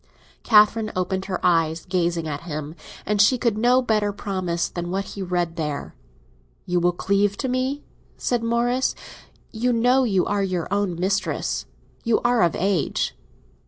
Catherine opened her eyes, gazing at him, and she could give no better promise than what he read there. "You will cleave to me?" said Morris. "You know you are your own mistress—you are of age."